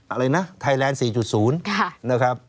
อะไรนะไทยแลนด์๔๐นะครับ